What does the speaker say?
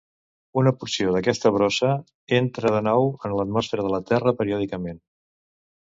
Una porció d'aquesta brossa entra de nou en l'atmosfera de la Terra periòdicament.